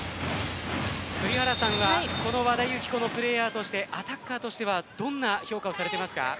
栗原さんは、この和田由紀子プレーヤーとしてアタッカーとしてはどんな評価をされていますか？